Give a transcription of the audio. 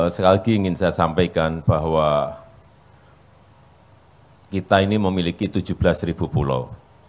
sekali lagi ingin saya sampaikan bahwa kita ini memiliki tujuh belas pulau